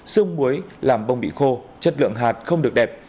xương muối làm bông bị khô chất lượng hạt không được đẹp